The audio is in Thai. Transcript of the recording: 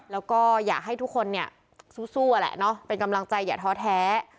แล้วก็อยากให้ทุกคนเนี่ยสู้อะแหละเนาะเป็นกำลังใจอย่าท้อแท้